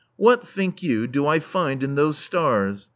What, think you, do I find in those stars?